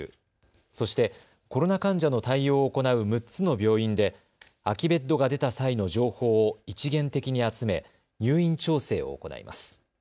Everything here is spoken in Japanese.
そしてコロナ患者の対応を行う６つの病院で空きベッドが出た際の情報を一元的に集め入院調整を行います。